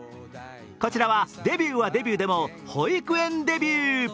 こちらはデビューはデビューでも保育園デビュー。